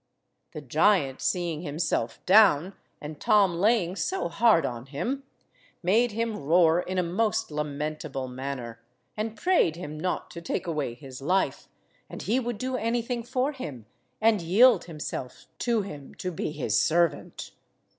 The giant seeing himself down, and Tom laying so hard on him, made him roar in a most lamentable manner, and prayed him not to take away his life and he would do anything for him, and yield himself to him to be his servant.